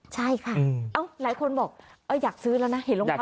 ใช่ค่ะหลายคนบอกอยากซื้อแล้วนะเห็นรองเท้า